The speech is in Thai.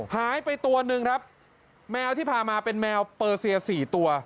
หายไปตัวหนึ่งครับแมวที่พามาเป็นแมวเปอร์เซีย๔ตัว